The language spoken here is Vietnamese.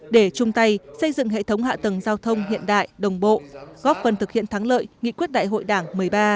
để chung tay xây dựng hệ thống hạ tầng giao thông hiện đại đồng bộ góp phần thực hiện thắng lợi nghị quyết đại hội đảng một mươi ba